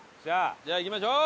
じゃあ行きましょう！